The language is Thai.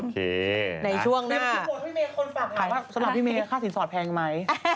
สำหรับพี่เมย์ค่าสินสอดแพงไหม